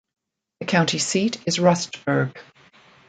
The county seat is Rustburg.